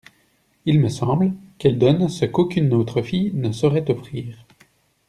Il me semble qu'elle donne ce qu'aucune autre fille ne saurait offrir.